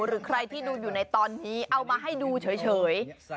หรือใครที่ดูอยู่ในตอนนี้เอามาให้ดูเฉย